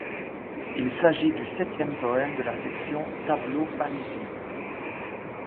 Il s'agit du septième poème de la section Tableaux Parisiens.